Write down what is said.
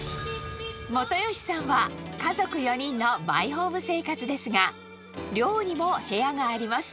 元吉さんは家族４人のマイホーム生活ですが、寮にも部屋があります。